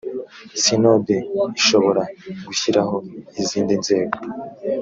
sinode ishobora gushyiraho izindi nzego